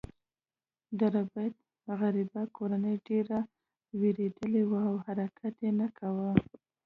د ربیټ غریبه کورنۍ ډیره ویریدلې وه او حرکت یې نه کاوه